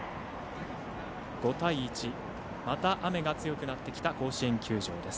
５対１、また雨が強くなってきた甲子園球場です。